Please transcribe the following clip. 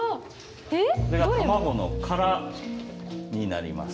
これが卵の殻になります。